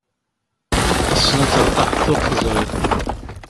Ass-n tertaḥeḍ ur teẓriḍ.